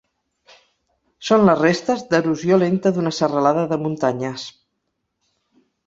Són les restes d'erosió lenta d'una serralada de muntanyes.